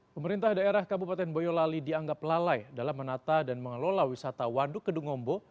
pemerintah daerah kabupaten boyolali dianggap lalai dalam menata dan mengelola wisata waduk kedungombo